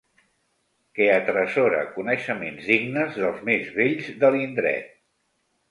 Que atresora coneixements dignes dels més vells de l'indret.